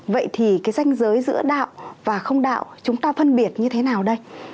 vậy thì cái danh giới giữa đạo và không đạo chúng ta phân biệt như thế nào đây